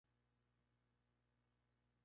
La recuperación espontánea es posible.